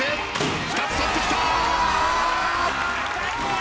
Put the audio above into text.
２つ取ってきた！